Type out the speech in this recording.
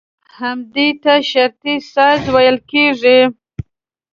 همدې ته شرطي سازي ويل کېږي.